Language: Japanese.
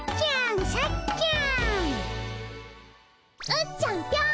うっちゃんぴょん。